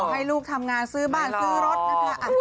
ให้ลูกทำงานซื้อบ้านซื้อรถนะคะ